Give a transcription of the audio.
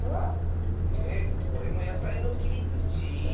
えこれもやさいのきりくち？